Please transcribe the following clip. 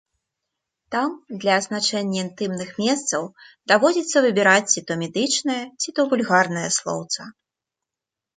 Там для азначэння інтымных месцаў даводзіцца выбіраць ці то медычнае, ці то вульгарнае слоўца.